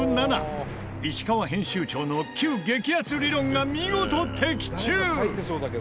石川編集長の９激アツ理論が見事的中！